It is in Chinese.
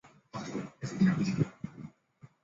西汉帝王郊祀之礼沿袭秦代。